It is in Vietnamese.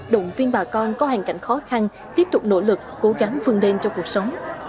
động viên bà con có hành cảnh khó khăn tiếp tục nỗ lực cố gắng vươn đen cho cuộc sống